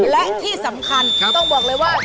และที่สำคัญต้องบอกเลยว่า